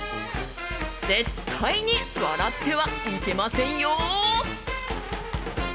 絶対に笑ってはいけませんよ！